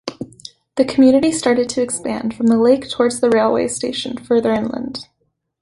The community started to expand from the lake towards the railway station further inland.